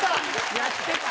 やってた。